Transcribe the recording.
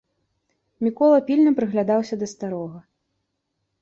Мікола пільна прыглядаўся да старога.